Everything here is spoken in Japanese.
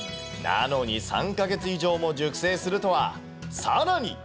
なのに３か月以上も熟成するとは、さらに。